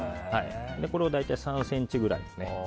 これを大体３ｃｍくらい。